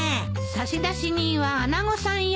差出人は穴子さんよ。